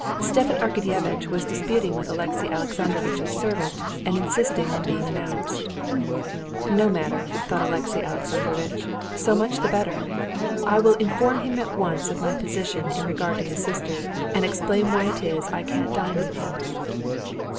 Stepan Arkadyevitch was disputing with Alexey Alexandrovitch's servant, and insisting on being announced. "No matter," thought Alexey Alexandrovitch, "so much the better. I will inform him at once of my position in regard to his sister, and explain why it is I can't dine with him."